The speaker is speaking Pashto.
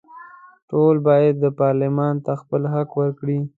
ټول باید پارلمان ته خپل حق ورکړي.